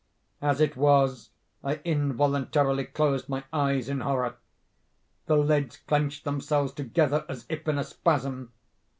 As it was, I involuntarily closed my eyes in horror. The lids clenched themselves together as if in a spasm.